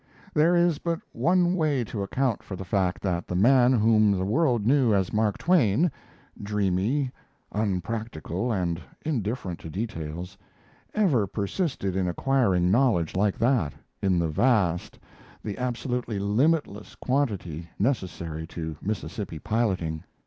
There is but one way to account for the fact that the man whom the world knew as Mark Twain dreamy, unpractical, and indifferent to details ever persisted in acquiring knowledge like that in the vast, the absolutely limitless quantity necessary to Mississippi piloting.